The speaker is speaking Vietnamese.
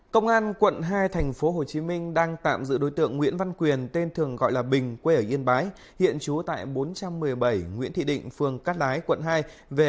các bạn hãy đăng ký kênh để ủng hộ kênh của chúng mình nhé